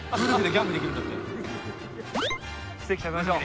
ステーキ食べましょう。